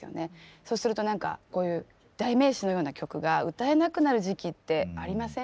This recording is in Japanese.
そうすると何かこういう代名詞のような曲が歌えなくなる時期ってありません？